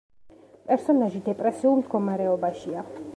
პერსონაჟი დეპრესიულ მდგომარეობაშია.